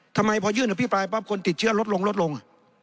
ทำไมพอยื่นอภิปรายปั๊บคนติดเชื้อลดลงลดลง